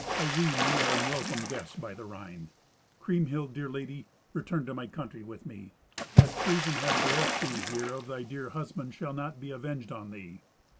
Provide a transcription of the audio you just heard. I ween we are unwelcome guests by the Rhine. Kriemhild, dear lady, return to my country with me. That treason has bereft thee here of thy dear husband shall not be avenged on thee.